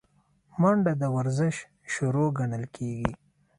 منډه د ورزش شروع ګڼل کېږي